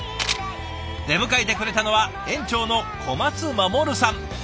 出迎えてくれたのは園長の小松守さん。